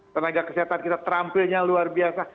tenaga kesehatan kita terampilnya luar biasa